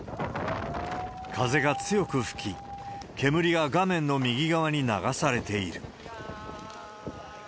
風が強く吹き、煙が画面の右側に流されている。